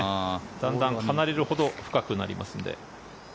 だんだん離れるほど深くなりますので。